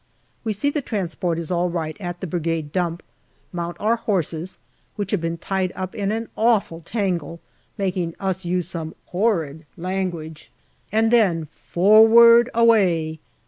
We see the transport is all right at the Brigade dump, mount our horses, which have been tied up in an awful tangle, making us use some " 'orrid language/' and then " forrard away."